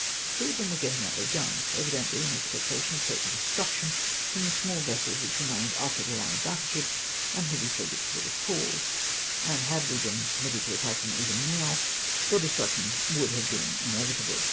Three of them were getting out their guns, evidently in expectation of cer tain destruction from the small vessels which remained after the Hne of battle ships and heavy frigates were recalled ; and, had we been permitted to attack them even now, their destruction would have been inevitable.